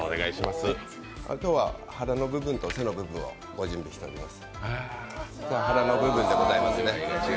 今日は腹の部分と背の部分を用意しております。